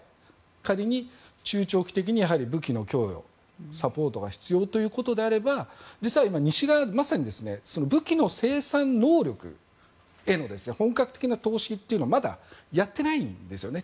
仮に中長期的に武器の供与、サポートが必要ということであれば実は西側はまさに武器の生産能力への本格的な投資をまだやっていないんですよね。